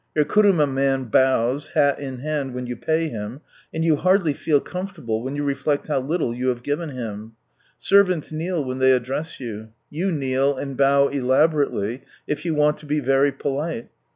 Your kuruma man bows, hat in hand, when you pay him, and you hardly feel comfortable, when you reflect how little you have given him ! Servants kneel when they address you. You kneel and bow elaborately, if you want to be very polite.